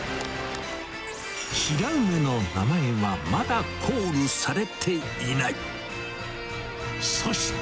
白梅の名前はまだコールされていない。